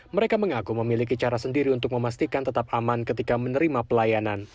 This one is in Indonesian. mereka mengaku memiliki cara sendiri untuk memastikan tetap aman ketika menerima pelayanan